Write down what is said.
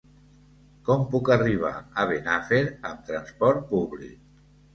Com puc arribar a Benafer amb transport públic?